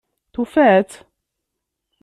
Tufa-tt?